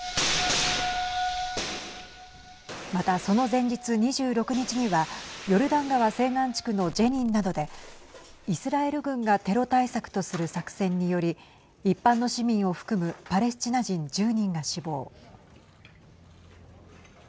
また、その前日２６日にはヨルダン川西岸地区のジェニンなどでイスラエル軍がテロ対策とする作戦により一般の市民を含むパレスチナ人１０人が死亡。